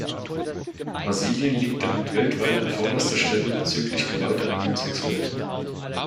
Brasilien liegt damit weltweit an vorderster Stelle bezüglich Gewalt an Homosexuellen.